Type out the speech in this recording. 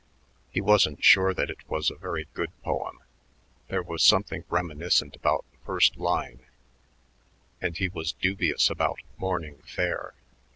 He wasn't sure that it was a very good poem; there was something reminiscent about the first line, and he was dubious about "morning fair."